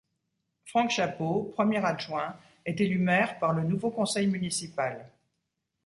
Franck Chapot, premier adjoint, est élu maire par le nouveau conseil municipal.